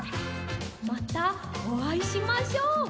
またおあいしましょう！